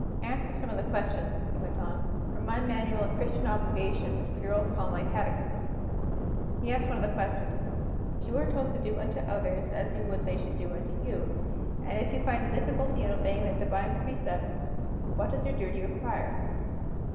"Answer some of the questions," he went on, "from my Manual of Christian Obligation, which the girls call my catechism." He asked one of the questions: "If you are told to do unto others as you would they should do unto you, and if you find a difficulty in obeying that Divine Precept, what does your duty require?"